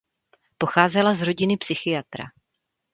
Pocházela z rodiny psychiatra.